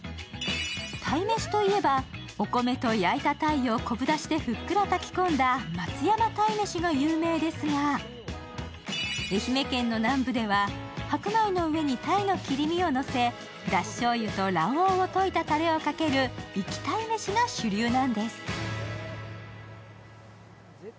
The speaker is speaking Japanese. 鯛めしといえば、お米と焼いたたいを昆布だしでふっくら炊き込んだ松山鯛めしが有名ですが愛媛県の南部では白米の上にたいの切り身をのせだししょうゆと卵黄を溶いたたれをかける活き鯛めしが主流なんです。